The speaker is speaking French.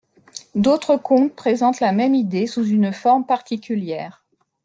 D'autres contes présentent la même idée sous une forme particulière.